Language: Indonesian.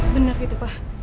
bener gitu pak